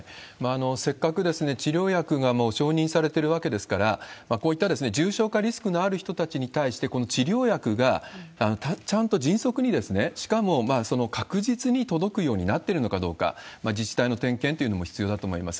せっかく治療薬がもう承認されてるわけですから、こういった重症化リスクのある人たちに対して、この治療薬がちゃんと迅速に、しかも確実に届くようになってるのかどうか、自治体の点検っていうのも必要だと思います。